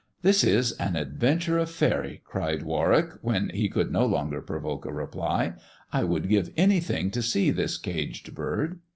"This is an adventure of faery," cried Warwick, when he could no longer provoke a reply. " I would give any thing to see this caged bird."